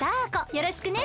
よろしくね。